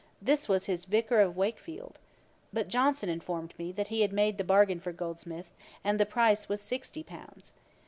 This was his Vicar of Wakefield. But Johnson informed me, that he had made the bargain for Goldsmith, and the price was sixty pounds.